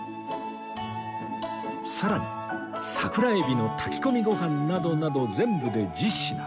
さらに桜海老の炊き込みご飯などなど全部で１０品